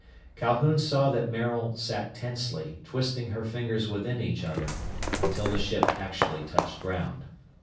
Calhoun saw that Maril sat tensely, twisting her fingers within each other, until the ship actually touched ground.